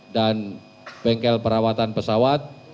dan bengkel perawatan pesawat